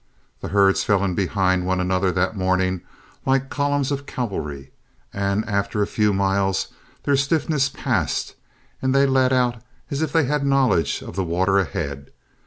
The herds fell in behind one another that morning like columns of cavalry, and after a few miles their stiffness passed and they led out as if they had knowledge of the water ahead.